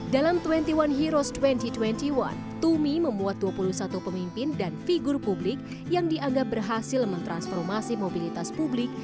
dalam dua puluh satu heroes dua ribu dua puluh satu tumi memuat dua puluh satu pemimpin dan figur publik yang dianggap berhasil mentransformasi mobilitas publik